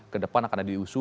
ke depan akan ada di usu